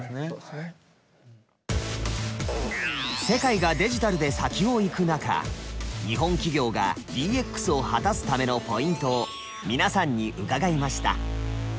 世界がデジタルで先を行く中日本企業がＤＸを果たすためのポイントを皆さんに伺いました。